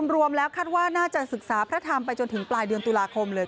รวมแล้วคาดว่าน่าจะศึกษาพระธรรมไปจนถึงปลายเดือนตุลาคมเลย